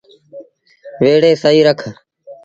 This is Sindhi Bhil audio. ويڙي سهيٚ رک۔